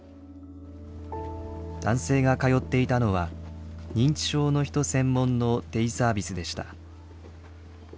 男性が通っていたのは認知症の人専門のデイサービスでした。